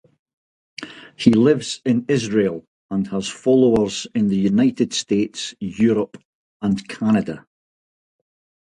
He lives in Israel and has followers in the United States, Europe and Canada.